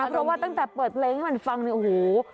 เพราะว่าตั้งแต่เปิดเพลงให้มันฟังเนี่ยโอ้โห